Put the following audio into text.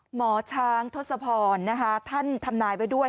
หมอชางโทษภรณ์ท่านทำนายไปด้วย